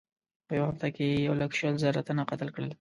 په یوه هفته کې یې یو لک شل زره تنه قتل کړل.